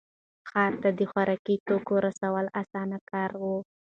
ښار ته د خوراکي توکو رسول اسانه کار و.